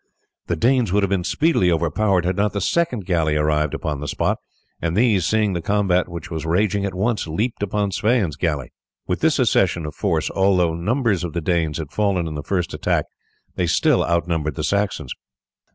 The Danes would have been speedily overpowered had not the second galley arrived upon the spot; and these, seeing the combat which was raging, at once leaped upon Sweyn's galley. With this accession of force, although numbers of the Danes had fallen in the first attack, they still outnumbered the Saxons.